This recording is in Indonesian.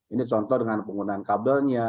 ini contoh dengan penggunaan kabelnya